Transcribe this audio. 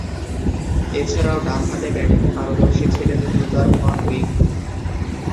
এছাড়াও, ডানহাতে ব্যাটিংয়ে পারদর্শী ছিলেন ক্রুজার ফন উইক।